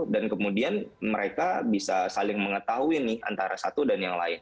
dan kemudian mereka bisa saling mengetahui nih antara satu dan yang lain